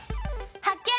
発見！